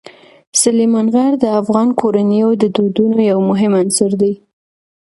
سلیمان غر د افغان کورنیو د دودونو یو مهم عنصر دی.